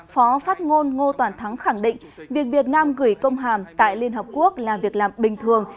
phó phát ngôn ngô toàn thắng khẳng định việc việt nam gửi công hàm tại liên hợp quốc là việc làm bình thường